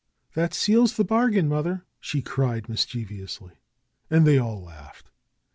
''That seals the bargain, mother!" she cried mis chievously. And they all laughed.